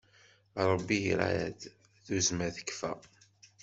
Ṛebbi irad, tuzzma tekfa.